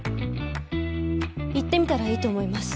行ってみたらいいと思います。